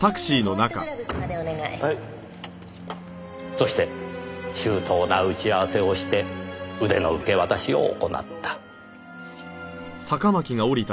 そして周到な打ち合わせをして腕の受け渡しを行った。